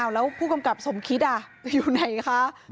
แล้วผู้กำกับสมคิดอยู่ไหนคะ